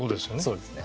そうですね。